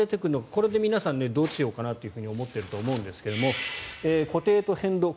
これで皆さんどうしようかなって思っていると思うんですが固定と変動。